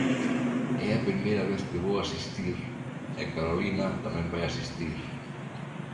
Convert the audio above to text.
É a primeira vez que vou asistir e Carolina tamén vai asistir.